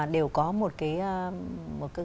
đều có một cái